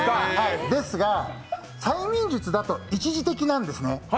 ですが、催眠術だと一時的なんですね。